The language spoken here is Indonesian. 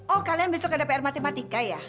oh kalian besok ada pr matematika ya